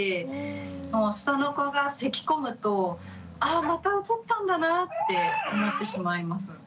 下の子がせきこむとあまたうつったんだなって思ってしまいます。